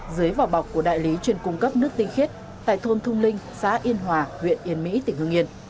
dưới vỏ bọc của đại lý chuyên cung cấp nước tinh khiết tại thôn thung linh xã yên hòa huyện yên mỹ tỉnh hương yên